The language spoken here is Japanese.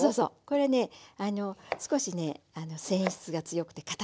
これね少しね繊維質が強くてかたいの。